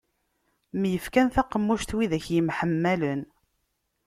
Myefkan taqemmuct widak yemḥemmalen.